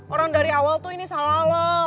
orang dari awal tuh ini salah loh